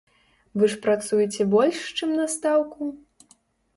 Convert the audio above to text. Вы ж працуеце больш, чым на стаўку?